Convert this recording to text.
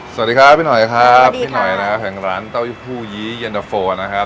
สวัสดีครับพี่หน่อยครับพี่หน่อยนะครับแห่งร้านเต้ายผู้ยี้เย็นตะโฟนะครับ